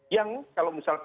yang kalau misalnya